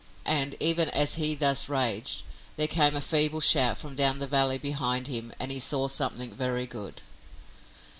And, even as he thus raged, there came a feeble shout from down the valley behind him and he saw something very good!